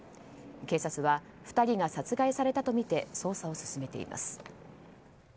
警察は２人が殺害されたとみて捜査を進めています。